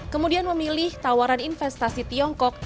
kemudian memilih tawaran investasi tiongkok